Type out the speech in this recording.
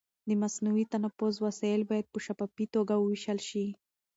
د مصنوعي تنفس وسایل باید په شفافي توګه وویشل شي.